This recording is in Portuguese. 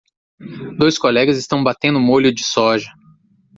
Dois colegas estão batendo molho de soja